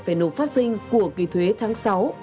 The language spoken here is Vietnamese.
về nộp phát sinh của kỳ thuế tháng sáu